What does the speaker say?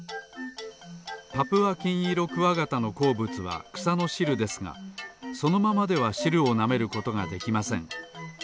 パプアキンイロクワガタのこうぶつはくさのしるですがそのままではしるをなめることができません。